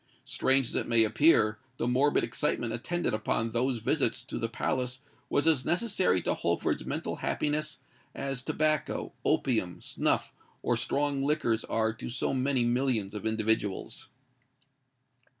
Strange as it may appear, the morbid excitement attendant upon those visits to the palace was as necessary to Holford's mental happiness as tobacco, opium, snuff, or strong liquors are to so many millions of individuals.